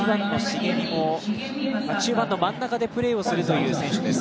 中盤の真ん中でプレーをするという選手です。